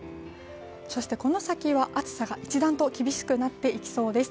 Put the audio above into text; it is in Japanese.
そして、この先は暑さが一段と厳しくなっていきそうです。